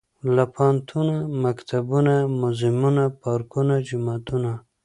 لکه پوهنتونه ، مکتبونه موزيمونه، پارکونه ، جوماتونه.